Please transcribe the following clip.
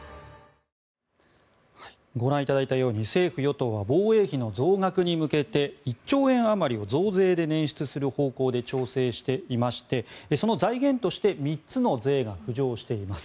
ご覧いただいたように政府・与党は防衛費の増額に向けて１兆円あまりを増税で捻出する方向で調整していましてその財源として３つの税が浮上しています。